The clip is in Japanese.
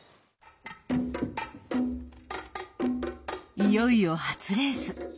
いよいよ初レース。